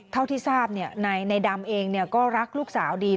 เท่าที่ทราบเนี่ยในดำเองเนี่ยก็รักลูกสาวดี